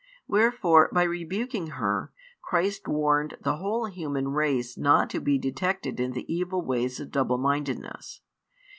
Wherefore, by rebuking her, [Christ] warned the whole human race not to be detected in the evil ways of double mindedness.